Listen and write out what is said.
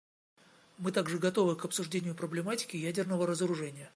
Мы также готовы к обсуждению проблематики ядерного разоружения.